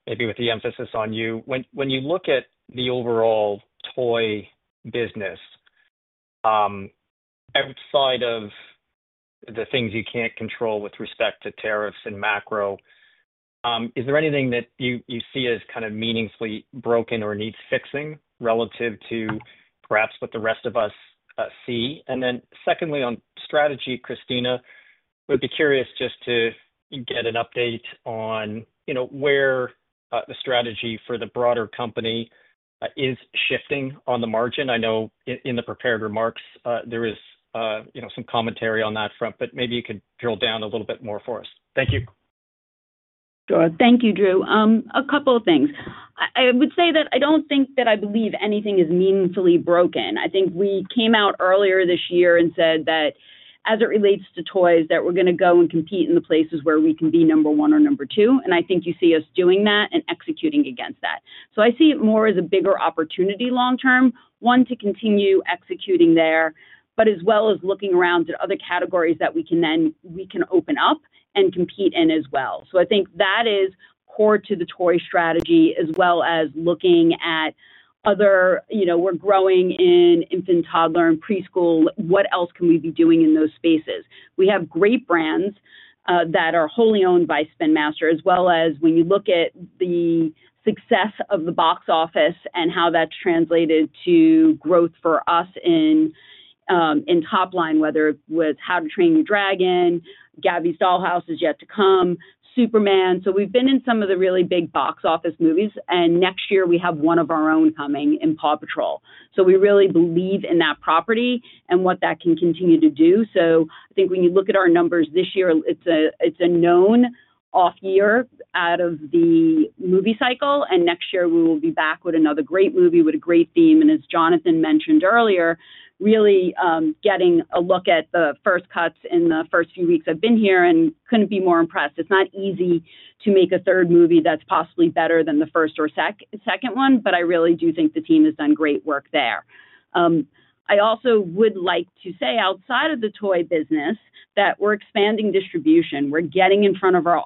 S10: maybe with the emphasis on you. When you look at the overall toy business, outside of the things you can't control with respect to tariffs and macro, is there anything that you see as kind of meaningfully broken or needs fixing relative to perhaps what the rest of us see? Secondly, on strategy, Christina, I would be curious just to get an update on where the strategy for the broader company is shifting on the margin. I know in the prepared remarks, there is some commentary on that front, but maybe you could drill down a little bit more for us. Thank you.
S3: Thank you, Drew. A couple of things. I would say that I don't think that I believe anything is meaningfully broken. I think we came out earlier this year and said that as it relates to toys, that we're going to go and compete in the places where we can be number one or number two. I think you see us doing that and executing against that. I see it more as a bigger opportunity long term, one to continue executing there, but as well as looking around at other categories that we can then, we can open up and compete in as well. I think that is core to the toy strategy, as well as looking at other, you know, we're growing in infant toddler and preschool. What else can we be doing in those spaces? We have great brands that are wholly owned by Spin Master, as well as when you look at the success of the box office and how that translated to growth for us in top line, whether it was How to Train Your Dragon, Gabby’s Dollhouse is yet to come, Superman. We've been in some of the really big box office movies, and next year we have one of our own coming in PAW Patrol. We really believe in that property and what that can continue to do. I think when you look at our numbers this year, it's a known off year out of the movie cycle, and next year we will be back with another great movie with a great theme. As Jonathan mentioned earlier, really getting a look at the first cuts in the first few weeks I've been here and couldn't be more impressed. It's not easy to make a third movie that's possibly better than the first or second one, but I really do think the team has done great work there. I also would like to say outside of the toy business that we're expanding distribution. We're getting in front of our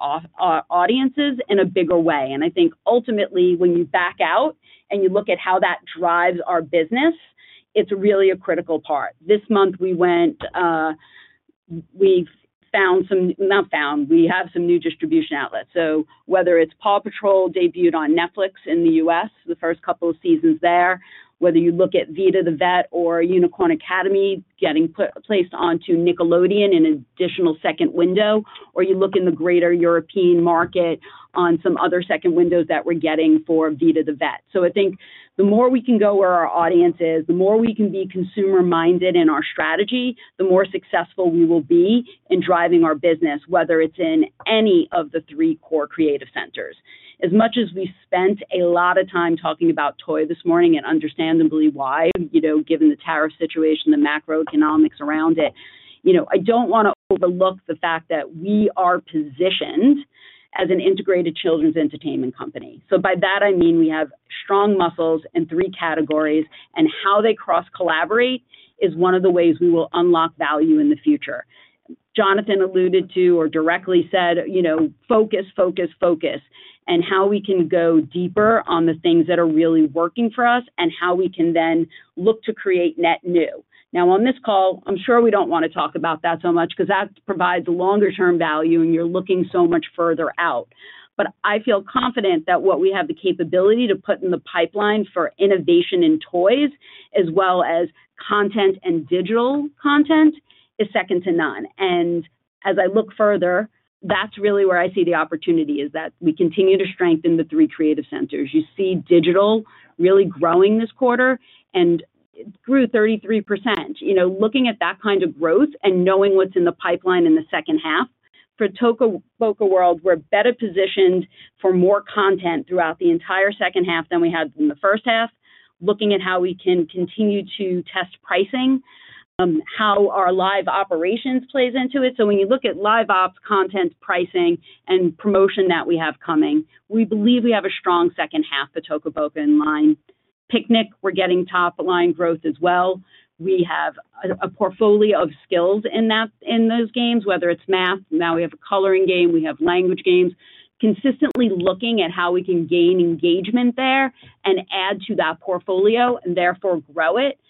S3: audiences in a bigger way. I think ultimately when you back out and you look at how that drives our business, it's really a critical part. This month we went, we've found some, not found, we have some new distribution outlets. Whether it's PAW Patrol debuted on Netflix in the U.S., the first couple of seasons there, whether you look at Vida the Vet or Unicorn Academy getting placed onto Nickelodeon in an additional second window, or you look in the greater European market on some other second windows that we're getting for Vita the Vet. I think the more we can go where our audience is, the more we can be consumer-minded in our strategy, the more successful we will be in driving our business, whether it's in any of the three core creative centers. As much as we spent a lot of time talking about toy this morning and understandably why, given the tariff situation, the macroeconomics around it, I don't want to overlook the fact that we are positioned as an integrated children's entertainment company. By that I mean we have strong muscles in three categories, and how they cross-collaborate is one of the ways we will unlock value in the future. Jonathan alluded to or directly said, focus, focus, focus, and how we can go deeper on the things that are really working for us and how we can then look to create net new. On this call, I'm sure we don't want to talk about that so much because that provides longer-term value and you're looking so much further out. I feel confident that what we have the capability to put in the pipelines for innovation in toys, as well as content and digital content, is second to none. As I look further, that's really where I see the opportunity is that we continue to strengthen the three creative centers. You see digital really growing this quarter and it grew 33%. Looking at that kind of growth and knowing what's in the pipeline in the second half, for Toca World, we're better positioned for more content throughout the entire second half than we had in the first half. Looking at how we can continue to test pricing, how our live operations plays into it. When you look at live ops, content, pricing, and promotion that we have coming, we believe we have a strong second half for Toca Boca in line. Piknik, we're getting top line growth as well. We have a portfolio of skills in those games, whether it's math. Now we have a coloring game, we have language games, consistently looking at how we can gain engagement there and add to that portfolio and therefore grow it.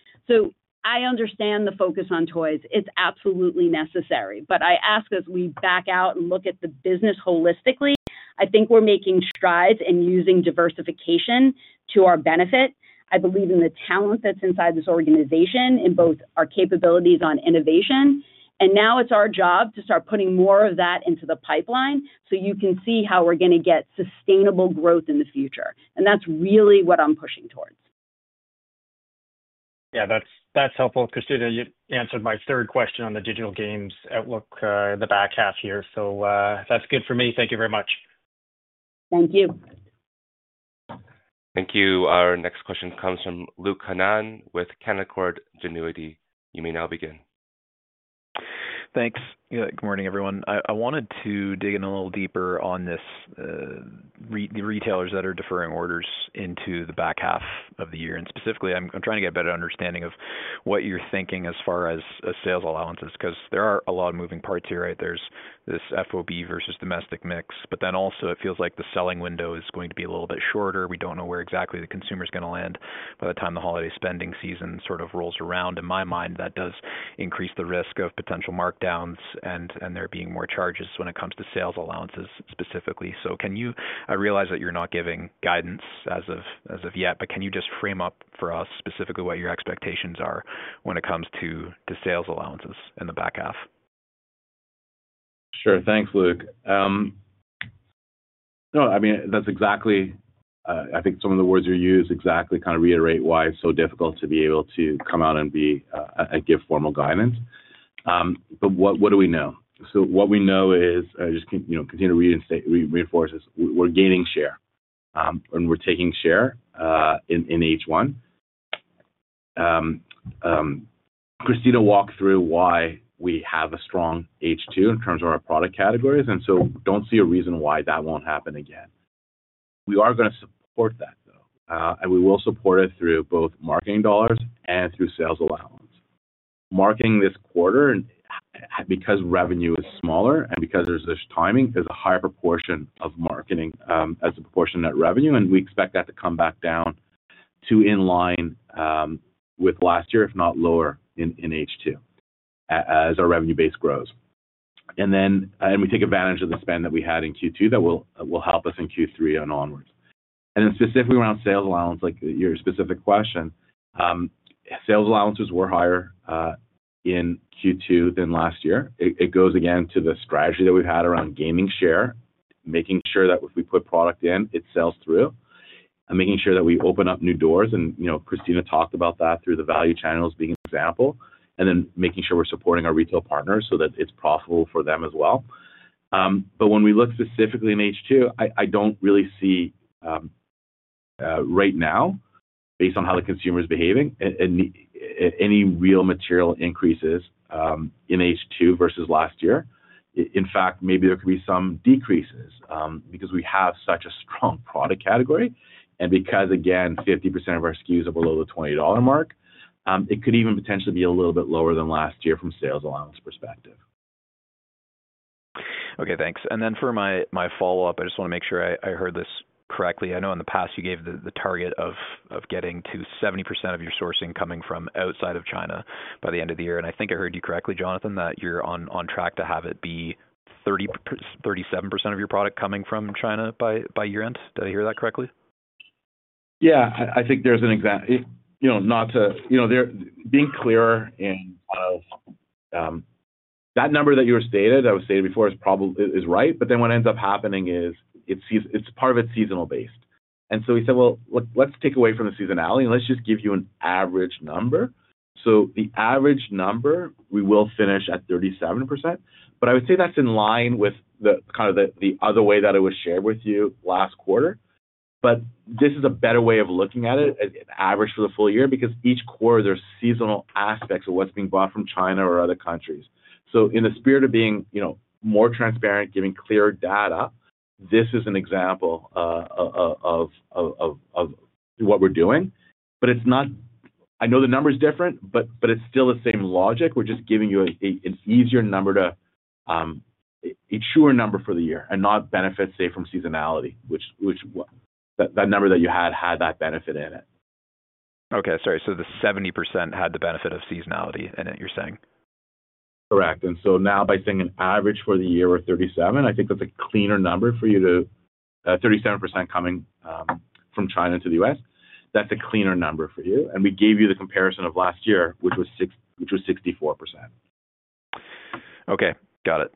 S3: I understand the focus on toys. It's absolutely necessary. As we back out and look at the business holistically, I think we're making strides and using diversification to our benefit. I believe in the talent that's inside this organization in both our capabilities on innovation. Now it's our job to start putting more of that into the pipeline so you can see how we're going to get sustainable growth in the future. That is really what I'm pushing towards.
S10: Yeah, that's helpful. Christina, you answered my third question on the digital games outlook in the back half here. That's good for me. Thank you very much.
S3: Thank you.
S1: Thank you. Our next question comes from Luke Hannan with Canaccord Genuity. You may now begin.
S11: Thanks. Good morning, everyone. I wanted to dig in a little deeper on this, the retailers that are deferring orders into the back half of the year. Specifically, I'm trying to get a better understanding of what you're thinking as far as sales allowances, because there are a lot of moving parts here, right? There's this FOB versus domestic mix, but then also it feels like the selling window is going to be a little bit shorter. We don't know where exactly the consumer is going to land by the time the holiday spending season sort of rolls around. In my mind, that does increase the risk of potential markdowns and there being more charges when it comes to sales allowances specifically. Can you, I realize that you're not giving guidance as of yet, but can you just frame up for us specifically what your expectations are when it comes to the sales allowances in the back half?
S4: Sure. Thanks, Luke. No, I mean, that's exactly, I think some of the words you use exactly kind of reiterate why it's so difficult to be able to come out and give formal guidance. What do we know? What we know is, I just continue to read and reinforce this, we're gaining share and we're taking share in H1. Christina walked through why we have a strong H2 in terms of our product categories. I don't see a reason why that won't happen again. We are going to support that though. We will support it through both marketing dollars and through sales allowance. Marketing this quarter, and because revenue is smaller and because there's this timing, there's a higher proportion of marketing as a proportion of net revenue. We expect that to come back down to in line with last year, if not lower in H2 as our revenue base grows. We take advantage of the spend that we had in Q2 that will help us in Q3 and onwards. Specifically around sales allowance, like your specific question, sales allowances were higher in Q2 than last year. It goes again to the strategy that we've had around gaining share, making sure that if we put product in, it sells through and making sure that we open up new doors. Christina talked about that through the value channels being an example. Making sure we're supporting our retail partners so that it's profitable for them as well. When we look specifically in H2, I don't really see right now, based on how the consumer is behaving, any real material increases in H2 versus last year. In fact, maybe there could be some decreases because we have such a strong product category. Because again, 50% of our SKUs are below the $20 mark, it could even potentially be a little bit lower than last year from a sales allowance perspective.
S11: Okay, thanks. For my follow-up, I just want to make sure I heard this correctly. I know in the past you gave the target of getting to 70% of your sourcing coming from outside of China by the end of the year. I think I heard you correctly, Jonathan, that you're on track to have it be 37% of your product coming from China by year end. Did I hear that correctly?
S4: I think there's an example, you know, being clearer in kind of that number that you stated before is probably right. What ends up happening is part of it's seasonal based. We said, let's take away from the seasonality and just give you an average number. The average number we will finish at is 37%. I would say that's in line with the other way that it was shared with you last quarter. This is a better way of looking at it as an average for the full year because each quarter there's seasonal aspects of what's being bought from China or other countries. In the spirit of being more transparent, giving clear data, this is an example of what we're doing. I know the number is different, but it's still the same logic. We're just giving you an easier number to, a truer number for the year and not benefits, say, from seasonality, which that number that you had had that benefit in it.
S11: Okay, sorry. The 70% had the benefit of seasonality in it, you're saying?
S4: Correct. By saying an average for the year of 37%, I think that's a cleaner number for you—37% coming from China to the U.S. That's a cleaner number for you. We gave you the comparison of last year, which was 64%.
S11: Okay, got it.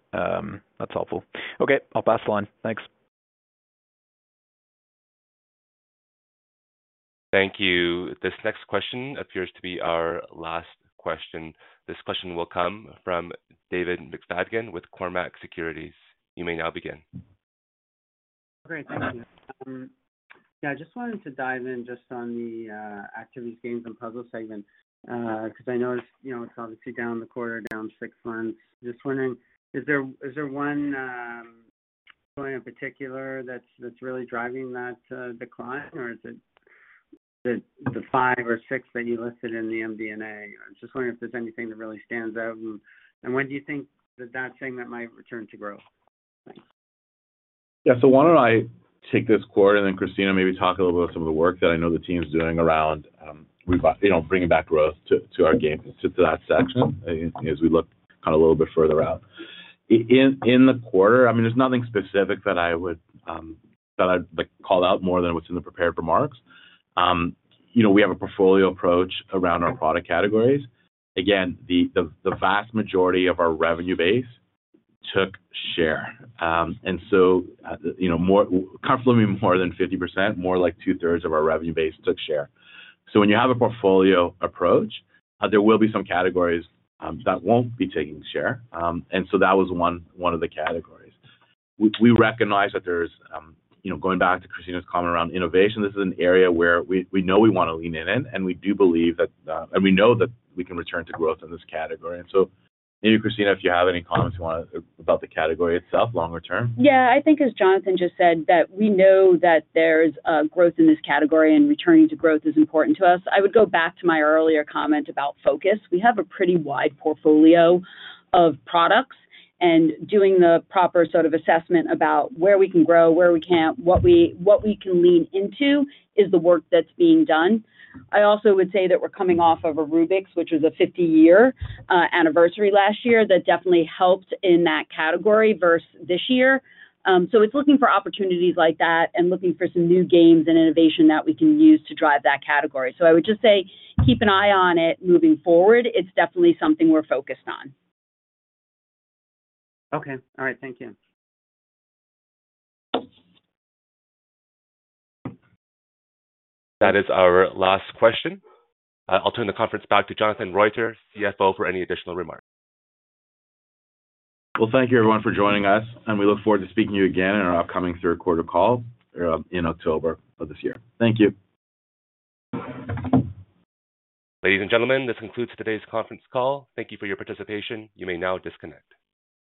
S11: That's helpful. I'll pass the line. Thanks.
S1: Thank you. This next question appears to be our last question. This question will come from David McFadigan with Cormark Securities. You may now begin.
S12: Great, thank you. I just wanted to dive in just on the Activities, Gamesand Puzzle segment because I noticed, you know, it's obviously down the quarter, down six months. Just wondering, is there one point in particular that's really driving that decline or is it the five or six that you listed in the MDMA? Just wondering if there's anything that really stands out and when do you think that that segment might return to growth?
S4: Why don't I take this quarter and then Christina, maybe talk a little bit about some of the work that I know the team's doing around bringing back growth to our game, to that section as we look a little bit further out. In the quarter, there's nothing specific that I would call out more than what's in the prepared remarks. We have a portfolio approach around our product categories. The vast majority of our revenue base took share. More comfortably more than 50%, more like 2/3 of our revenue base took share. When you have a portfolio approach, there will be some categories that won't be taking share. That was one of the categories. We recognize that, going back to Christina's comment around innovation, this is an area where we know we want to lean in and we do believe that, and we know that we can return to growth in this category. Maybe Christina, if you have any comments you want to about the category itself longer term.
S3: I think as Jonathan Reuter just said, we know that there's growth in this category and returning to growth is important to us. I would go back to my earlier comment about focus. We have a pretty wide portfolio of products and doing the proper sort of assessment about where we can grow, where we can't, what we can lean into is the work that's being done. I also would say that we're coming off of a Rubik's, which was a 50-year anniversary last year that definitely helped in that category versus this year. It's looking for opportunities like that and looking for some new games and innovation that we can use to drive that category. I would just say keep an eye on it moving forward. It's definitely something we're focused on.
S12: Okay, all right, thank you.
S1: That is our last question. I'll turn the conference back to Jonathan Roiter, CFO, for any additional remarks.
S4: Thank you everyone for joining us, and we look forward to speaking to you again in our upcoming three-quarter call in October of this year. Thank you.
S1: Ladies and gentlemen, this concludes today's conference call. Thank you for your participation. You may now disconnect.